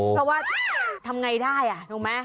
เพราะว่าทำไงได้อ่ะถูกไหม